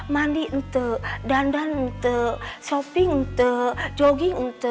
mandi dandan shopping jogging